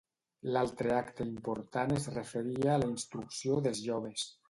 L'altre acte important es referia a la instrucció dels joves.